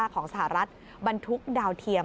ของสหรัฐบรรทุกดาวเทียม